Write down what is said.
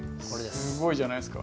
すごいじゃないですか。